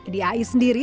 di ai sendiri